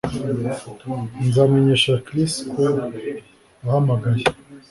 Nzamenyesha Chris ko wahamagaye